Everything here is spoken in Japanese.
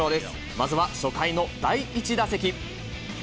まずは初回の第１打席。